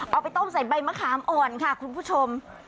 เอาไปต้มใส่ใบมะขามอ่อนค่ะคุณผู้ชม